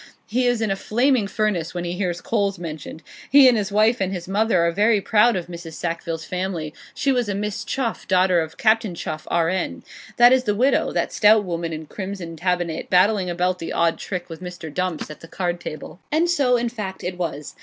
He is in a flaming furnace when he hears coals mentioned. He and his wife and his mother are very proud of Mrs. Sackville's family; she was a Miss Chuff, daughter of Captain Chuff, R.N. That is the widow; that stout woman in crimson tabinet, battling about the odd trick with old Mr. Dumps, at the card table.' And so, in fact, it was.